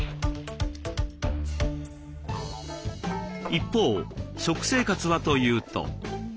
一方食生活はというと。